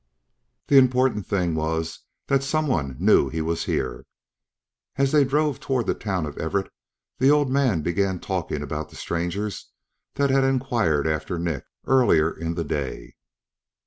The important thing was that someone knew he was here. As they drove toward the town of Everett, the old man began talking about the strangers that had inquired after Nick earlier in the day.